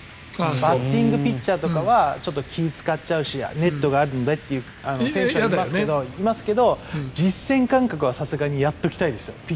バッティングピッチャーとかは気を使っちゃうしネットがあるのでっていう選手はいますけど実戦感覚はやっぱりやっておきたいですよ。